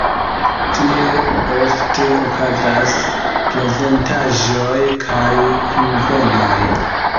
Tie ofte okazas prezentaĵoj kaj kunvenoj.